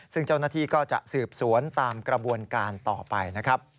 ซึ่งเจ้าหน้าที่ก็จะสืบสวนตามกระบวนการต่อไปนะครับ